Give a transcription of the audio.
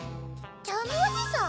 ジャムおじさん？